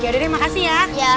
dede makasih ya